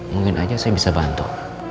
mungkin saja saya bisa bantu